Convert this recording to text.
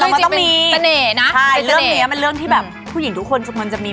เรื่องนี้มันเรื่องที่ผู้หญิงทุกคนจบมันจะมี